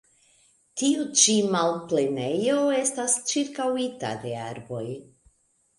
Tiu ĉi malplenejo estis ĉirkaŭita de arboj.